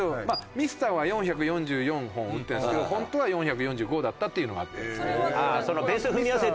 ミスターは４４４本打ってるんですけど本当は４４５だったっていうのがあって。